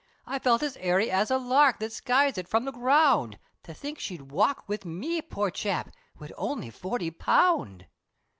I felt as airy as a lark that Skies it from the ground, To think she'd walk wid me, poor chap, Wid only forty pound!